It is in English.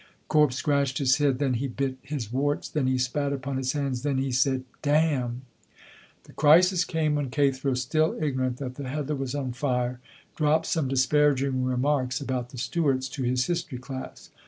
Corp scratched his head, then he bit his warts, then he spat upon his hands, then he said "Damn." The crisis came when Cathro, still ignorant that the heather was on fire, dropped some disparaging remarks about the Stuarts to his history class.